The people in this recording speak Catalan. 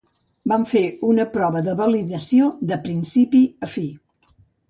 Vam fer una prova de validació de principi a fi.